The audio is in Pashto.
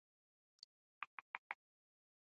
مورجانې مې وویل چې دا د ټونګرې لپاره دی